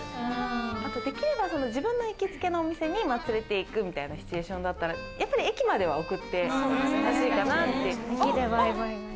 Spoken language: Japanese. できれば自分の行きつけのお店に連れて行くみたいなシチュエーションだったら、駅までは送ってほしいかなって。